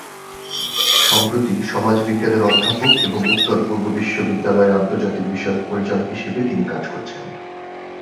সম্প্রতি সমাজবিজ্ঞানের অধ্যাপক এবং উত্তর-পূর্ব বিশ্ববিদ্যালয়ের আন্তর্জাতিক বিষয়ক পরিচালক হিসাবে তিনি কাজ করছেন।